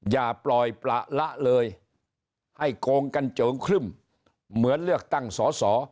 อย่าปล่อยประละเลยให้โกงกันเจิงครึ่มเหมือนเลือกตั้งสอสอ